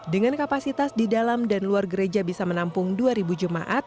dengan kapasitas di dalam dan luar gereja bisa menampung dua jemaat